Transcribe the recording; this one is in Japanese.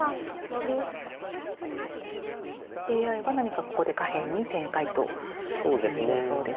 ＡＩは何かここで下辺に展開という予想です。